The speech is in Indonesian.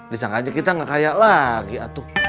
disangka aja kita nggak kaya lagi atuh